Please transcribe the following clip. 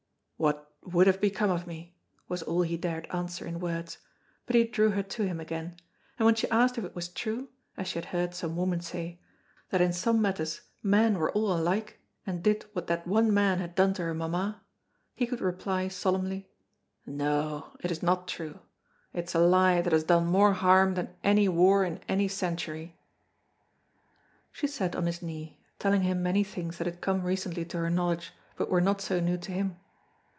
"What would have become of me?" was all he dared answer in words, but he drew her to him again, and when she asked if it was true, as she had heard some woman say, that in some matters men were all alike, and did what that one man had done to her mamma, he could reply solemnly, "No, it is not true; it's a lie that has done more harm than any war in any century." She sat on his knee, telling him many things that had come recently to her knowledge but were not so new to him.